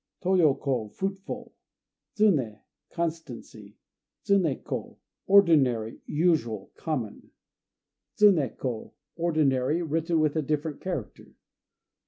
Toyo ko "Fruitful." Tsuné "Constancy." Tsuné ko "Ordinary," usual, common. Tsuné ko "Ordinary," written with a different character.